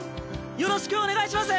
よろしくお願いします！